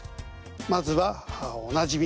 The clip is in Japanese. まずはおなじみ